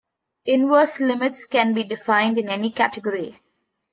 Inverse limits can be defined in any category.